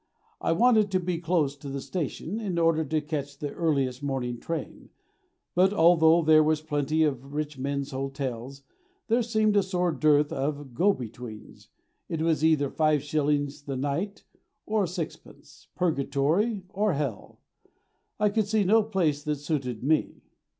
I wanted to be close to the station in order to catch the earliest morning train, but, although there were plenty of rich men's hotels, there seemed a sore dearth of "go betweens;" it was either five shillings the night or sixpence; Purgatory or Hell: I could see no place that suited ME.